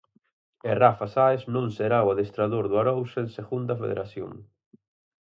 E Rafa Sáez non será o adestrador do Arousa en Segunda Federación.